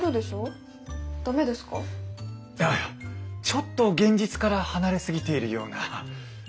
ちょっと現実から離れ過ぎているような。